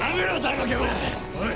おい！